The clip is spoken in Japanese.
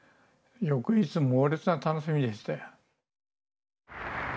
翌日猛烈な楽しみでしたよ。